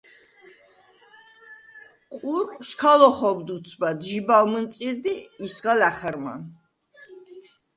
ყურყვს ქა ლოხობდ უცბად ჟიბავ მჷნწირდ ი ისგა ლა̈ხჷრმან.